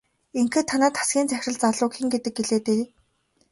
Ингэхэд танай тасгийн захирал залууг хэн гэдэг гэлээ дээ?